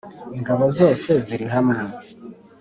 Ingabo zose zirihamwe .